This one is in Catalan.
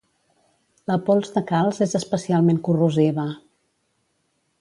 La pols de calç és especialment corrosiva.